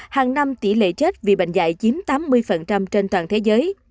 hàng năm tỷ lệ chết vì bệnh dạy chiếm tám mươi trên toàn thế giới